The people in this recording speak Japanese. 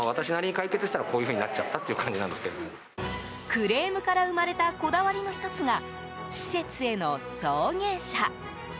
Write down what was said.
クレームから生まれたこだわりの１つが施設への送迎車。